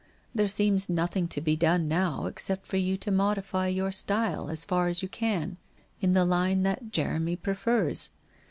There seems nothing to be done now except for you to modify your style as far as you can in the line that Jeremy prefers.